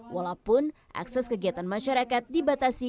walaupun akses kegiatan masyarakat dibatasi